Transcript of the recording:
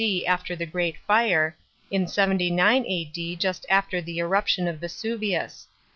D. after the preat fire ; in 79 A.D. just after the eruption of Vesuvius.